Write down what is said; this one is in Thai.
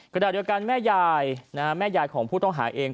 ขณะเดียวกันแม่ยายแม่ยายของผู้ต้องหาเอง